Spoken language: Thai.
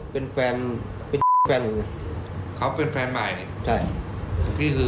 เป็นแฟนหนูไงเขาเป็นแฟนใหม่ใช่ไอพี่